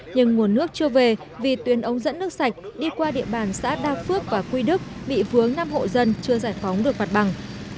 nhưng nguồn nước chưa về vì tuyến ống dẫn nước sạch đi qua địa bàn xã đa phước và quy đức bị vướng năm hộ dân chưa giải phóng được mặt bằng